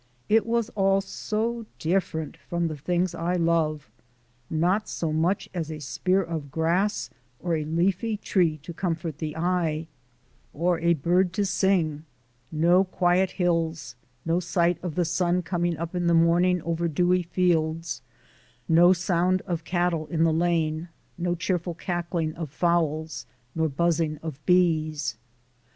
It was all so different from the things I love! Not so much as a spear of grass or a leafy tree to comfort the eye, or a bird to sing; no quiet hills, no sight of the sun coming up in the morning over dewy fields, no sound of cattle in the lane, no cheerful cackling of fowls, nor buzzing of bees!